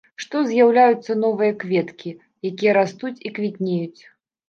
Што з'яўляюцца новыя кветкі, якія растуць і квітнеюць.